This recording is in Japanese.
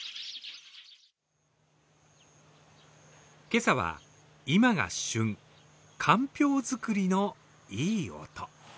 今朝は、今が旬、かんぴょう作りのいい音。